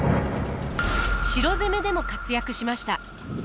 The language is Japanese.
城攻めでも活躍しました。